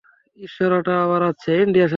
ঈশ্বর, ওটা আবার আসছে!